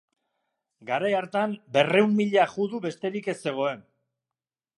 Garai hartan, berrehun mila judu besterik ez zegoen.